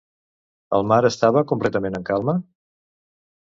El mar estava completament en calma?